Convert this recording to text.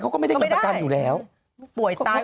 เขาก็ไม่ได้เงินประกันอยู่แล้ว